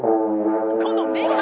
「この目が！」